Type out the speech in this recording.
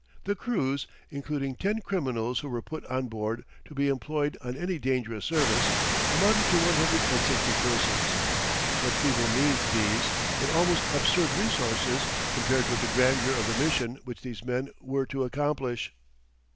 The crews, including ten criminals who were put on board to be employed on any dangerous service, amounted to one hundred and sixty persons. What feeble means these, what almost absurd resources, compared with the grandeur of the mission which these men were to accomplish!